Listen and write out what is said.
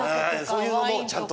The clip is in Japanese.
そういうのもちゃんと。